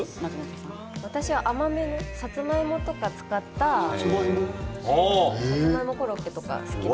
私は甘めのさつまいもとか使ったさつまいもコロッケとか好きです。